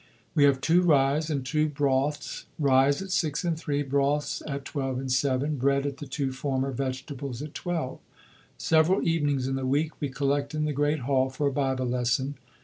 We have two ryes and two broths ryes at 6 and 3, broths at 12 and 7; bread at the two former, vegetables at 12. Several evenings in the week we collect in the Great Hall for a Bible lesson.